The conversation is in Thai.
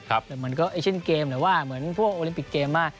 เหมือนก็เอเชียนเกมหรือว่าเหมือนพวกโอลิมปิกเกมมาก